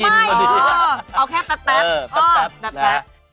อ๋อนะคะและ